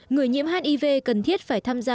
người nhiễm hiv cần thiết phải tham gia